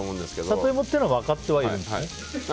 サトイモっていうのは分かってはいるんですね。